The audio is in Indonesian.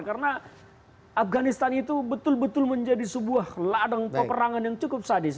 karena afganistan itu betul betul menjadi sebuah ladang peperangan yang cukup sadis